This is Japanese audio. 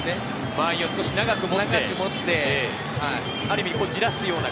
間合いを少し長く持ってある意味、こう焦らすような。